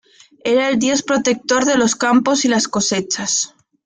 Era el dios protector de los campos y las cosechas.